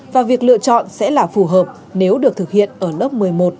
và việc lựa chọn sẽ là phù hợp nếu được thực hiện ở lớp một mươi một